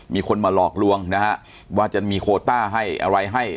มีคนมารอกลวงว่าจะมีโคต้าให้อะไร